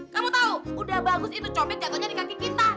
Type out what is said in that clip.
kamu tahu udah bagus itu cobek jagonya di kaki kita